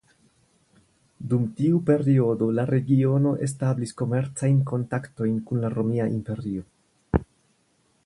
Dum tiu periodo la regiono establis komercajn kontaktojn kun la Romia Imperio.